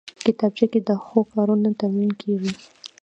کتابچه کې د ښو کارونو تمرین کېږي